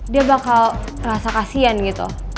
dia bakal ngerasa kasian gitu